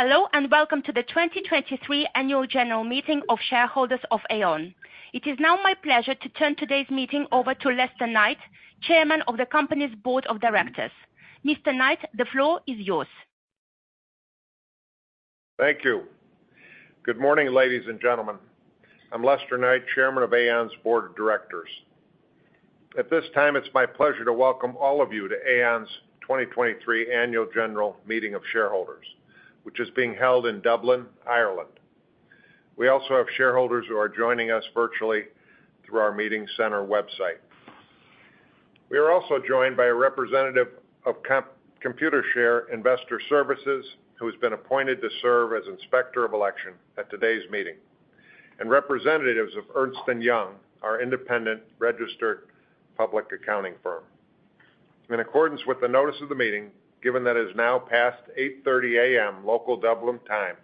Hello, welcome to the 2023 Annual General Meeting of Shareholders of Aon. It is now my pleasure to turn today's meeting over to Lester Knight, Chairman of the company's Board of Directors. Mr. Knight, the floor is yours. Thank you. Good morning, ladies and gentlemen. I'm Lester Knight, Chairman of Aon's Board of Directors. At this time, it's my pleasure to welcome all of you to Aon's 2023 Annual General Meeting of Shareholders, which is being held in Dublin, Ireland. We also have shareholders who are joining us virtually through our meeting center website. We are also joined by a representative of Computershare Investor Services, who has been appointed to serve as Inspector of Election at today's meeting, and representatives of Ernst & Young, our independent registered public accounting firm. In accordance with the notice of the meeting, given that it is now past 8:30 A.M. local Dublin time,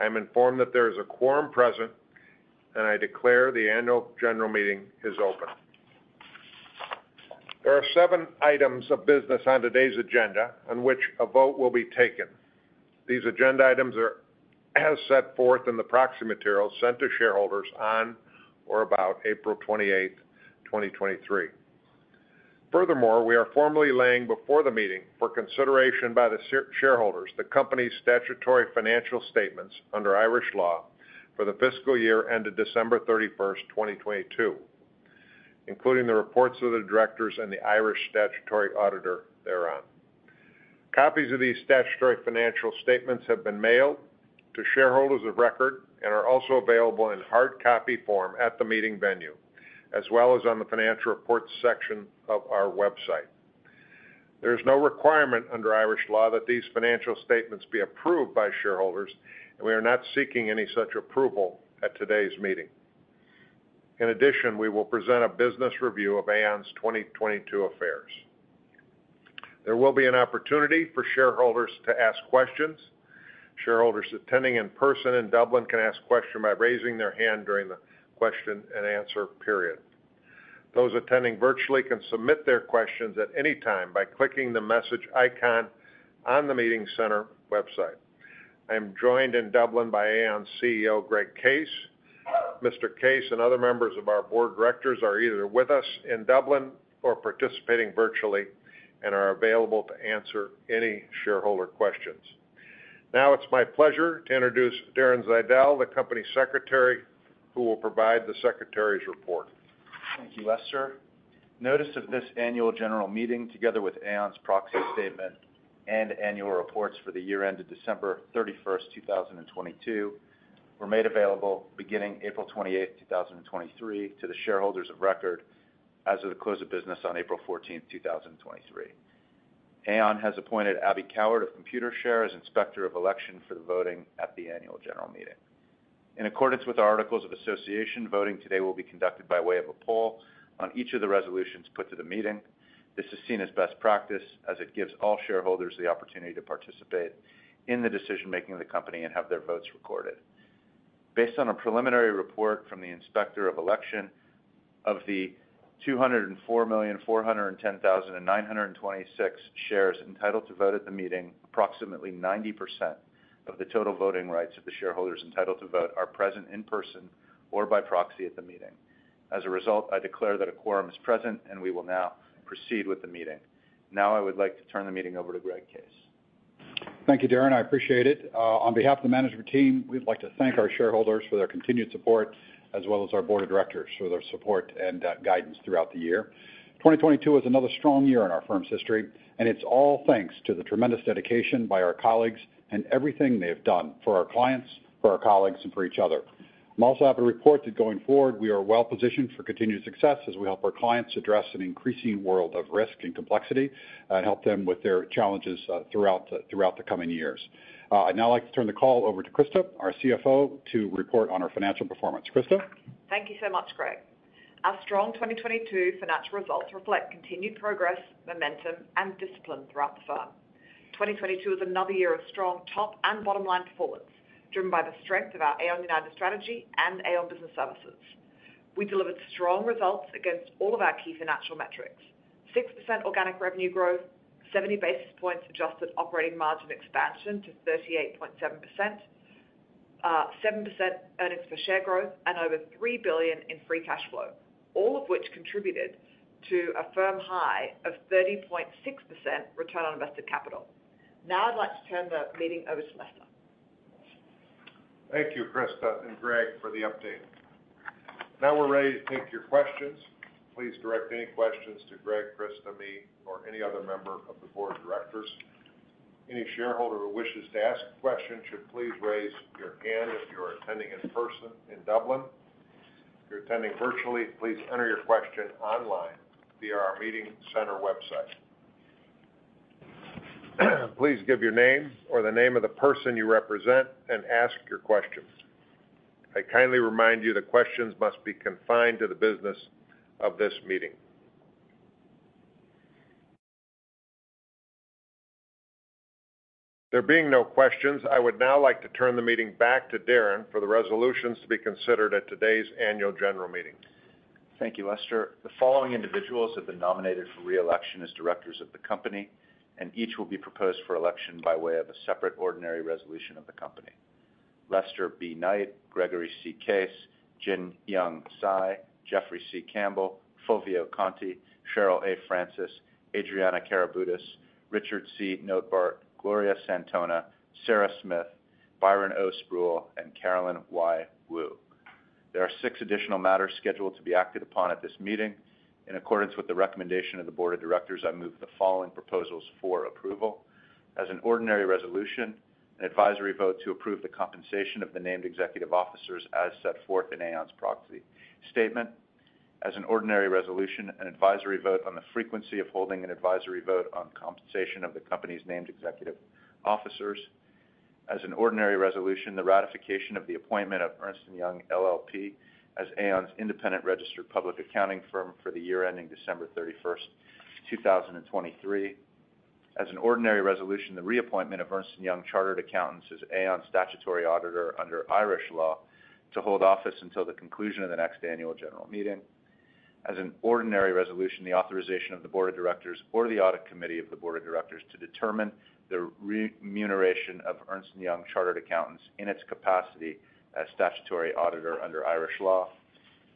I am informed that there is a quorum present, and I declare the Annual General Meeting is open. There are seven items of business on today's agenda on which a vote will be taken. These agenda items are as set forth in the proxy material sent to shareholders on or about April 28th, 2023. We are formally laying before the meeting for consideration by the shareholders, the company's statutory financial statements under Irish law for the fiscal year ended December 31st, 2022, including the reports of the directors and the Irish statutory auditor thereon. Copies of these statutory financial statements have been mailed to shareholders of record and are also available in hard copy form at the meeting venue, as well as on the financial reports section of our website. There is no requirement under Irish law that these financial statements be approved by shareholders, and we are not seeking any such approval at today's meeting. In addition, we will present a business review of Aon's 2022 affairs. There will be an opportunity for shareholders to ask questions. Shareholders attending in person in Dublin can ask questions by raising their hand during the question and answer period. Those attending virtually can submit their questions at any time by clicking the message icon on the meeting center website. I am joined in Dublin by Aon's CEO, Greg Case. Mr. Case and other members of our Board of Directors are either with us in Dublin or participating virtually and are available to answer any shareholder questions. Now, it's my pleasure to introduce Darren Zeidel, the Company Secretary, who will provide the secretary's report. Thank you, Lester. Notice of this Annual General Meeting, together with Aon's proxy statement and annual reports for the year ended December 31st, 2022, were made available beginning April 28th, 2023, to the shareholders of record as of the close of business on April 14th, 2023. Aon has appointed Abby Coward of Computershare as Inspector of Election for the voting at the Annual General Meeting. In accordance with the articles of association, voting today will be conducted by way of a poll on each of the resolutions put to the meeting. This is seen as best practice, as it gives all shareholders the opportunity to participate in the decision-making of the company and have their votes recorded. Based on a preliminary report from the Inspector of Election, of the 204,410,926 shares entitled to vote at the meeting, approximately 90% of the total voting rights of the shareholders entitled to vote are present in person or by proxy at the meeting. As a result, I declare that a quorum is present, and we will now proceed with the meeting. Now, I would like to turn the meeting over to Greg Case. Thank you, Darren. I appreciate it. On behalf of the management team, we'd like to thank our shareholders for their continued support, as well as our Board of Directors for their support and guidance throughout the year. 2022 was another strong year in our firm's history. It's all thanks to the tremendous dedication by our colleagues and everything they have done for our clients, for our colleagues, and for each other. I'm also happy to report that going forward, we are well-positioned for continued success as we help our clients address an increasing world of risk and complexity, and help them with their challenges throughout the coming years. I'd now like to turn the call over to Christa, our CFO, to report on our financial performance. Christa? Thank you so much, Greg. Our strong 2022 financial results reflect continued progress, momentum, and discipline throughout the firm. 2022 is another year of strong top and bottom-line performance, driven by the strength of our Aon United strategy and Aon Business Services. We delivered strong results against all of our key financial metrics. 6% organic revenue growth, 70 basis points adjusted operating margin expansion to 38.7%, 7% earnings per share growth, and over $3 billion in free cash flow, all of which contributed to a firm high of 30.6% return on invested capital. I'd like to turn the meeting over to Lester Knight. Thank you, Christa and Greg, for the update. We're ready to take your questions. Please direct any questions to Greg, Christa, me, or any other member of the Board of Directors. Any shareholder who wishes to ask a question should please raise your hand if you are attending in person in Dublin. If you're attending virtually, please enter your question online via our meeting center website. Please give your name or the name of the person you represent and ask your question. I kindly remind you that questions must be confined to the business of this meeting. There being no questions, I would now like to turn the meeting back to Darren for the resolutions to be considered at today's Annual General Meeting. Thank you, Lester. The following individuals have been nominated for reelection as directors of the company, and each will be proposed for election by way of a separate ordinary resolution of the company. Lester B. Knight, Gregory C. Case, Jin-Yong Cai, Jeffrey C. Campbell, Fulvio Conti, Cheryl A. Francis, Adriana Karaboutis, Richard C. Notebaert, Gloria Santona, Sarah Smith, Byron O. Spruell, and Carolyn Y. Woo. There are six additional matters scheduled to be acted upon at this meeting. In accordance with the recommendation of the Board of Directors, I move the following proposals for approval. As an ordinary resolution, an advisory vote to approve the compensation of the named executive officers as set forth in Aon's proxy statement. As an ordinary resolution, an advisory vote on the frequency of holding an advisory vote on compensation of the company's named executive officers. As an ordinary resolution, the ratification of the appointment of Ernst & Young LLP as Aon's independent registered public accounting firm for the year ending December 31, 2023. As an ordinary resolution, the reappointment of Ernst & Young Chartered Accountants as Aon's statutory auditor under Irish law, to hold office until the conclusion of the next Annual General Meeting. As an ordinary resolution, the authorization of the Board of Directors or the audit committee of the Board of Directors to determine the remuneration of Ernst & Young Chartered Accountants in its capacity as statutory auditor under Irish law.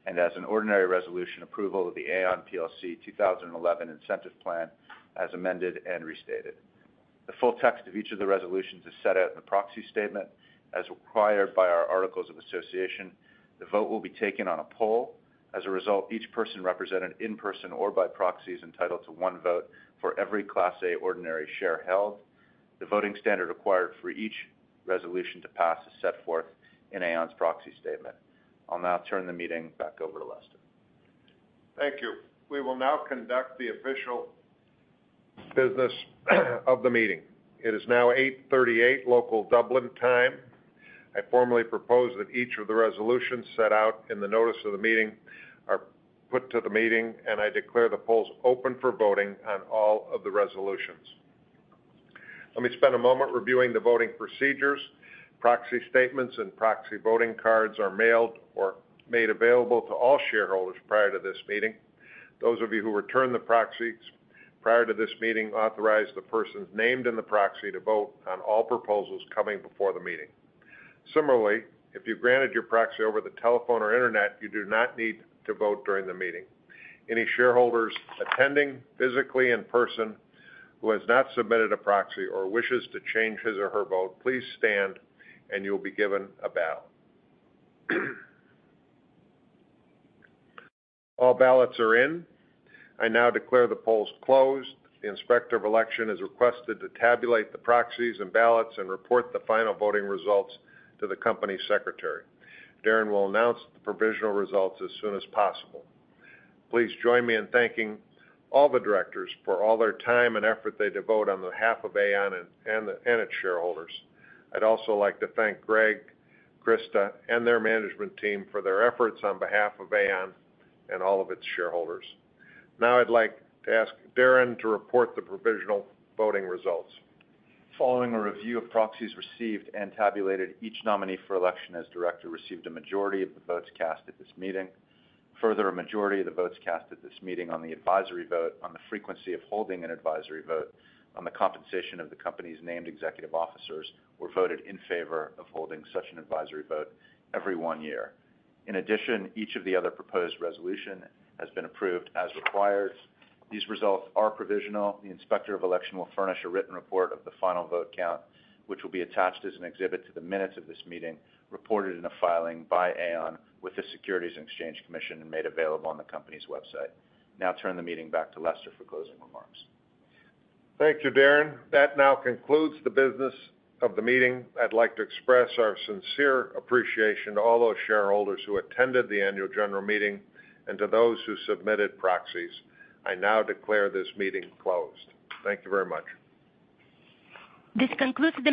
As an ordinary resolution, approval of the Aon plc 2011 Incentive Plan, as amended and restated. The full text of each of the resolutions is set out in the proxy statement as required by our articles of association. The vote will be taken on a poll. Each person represented in person or by proxy, is entitled to one vote for every Class A Ordinary Share held. The voting standard acquired for each resolution to pass is set forth in Aon's proxy statement. I'll now turn the meeting back over to Lester. Thank you. We will now conduct the official business of the meeting. It is now 8:38 A.M., local Dublin time. I formally propose that each of the resolutions set out in the notice of the meeting are put to the meeting, and I declare the polls open for voting on all of the resolutions. Let me spend a moment reviewing the voting procedures. Proxy statements and proxy voting cards are mailed or made available to all shareholders prior to this meeting. Those of you who returned the proxies prior to this meeting, authorize the persons named in the proxy to vote on all proposals coming before the meeting. Similarly, if you granted your proxy over the telephone or internet, you do not need to vote during the meeting. Any shareholders attending physically in person, who has not submitted a proxy or wishes to change his or her vote, please stand and you'll be given a ballot. All ballots are in. I now declare the polls closed. The inspector of election is requested to tabulate the proxies and ballots and report the final voting results to the company secretary. Darren will announce the provisional results as soon as possible. Please join me in thanking all the directors for all their time and effort they devote on the behalf of Aon and its shareholders. I'd also like to thank Greg, Christa, and their management team for their efforts on behalf of Aon and all of its shareholders. I'd like to ask Darren to report the provisional voting results. Following a review of proxies received and tabulated, each nominee for election as director received a majority of the votes cast at this meeting. Further, a majority of the votes cast at this meeting on the advisory vote, on the frequency of holding an advisory vote, on the compensation of the company's named executive officers, were voted in favor of holding such an advisory vote every one year. Each of the other proposed resolution has been approved as required. These results are provisional. The Inspector of Election will furnish a written report of the final vote count, which will be attached as an exhibit to the minutes of this meeting, reported in a filing by Aon with the Securities and Exchange Commission, and made available on the company's website. I turn the meeting back to Lester for closing remarks. Thank you, Darren. That now concludes the business of the meeting. I'd like to express our sincere appreciation to all those shareholders who attended the Annual General Meeting and to those who submitted proxies. I now declare this meeting closed. Thank you very much. This concludes.